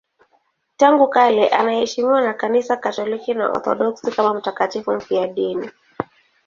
Tangu kale anaheshimiwa na Kanisa Katoliki na Waorthodoksi kama mtakatifu mfiadini.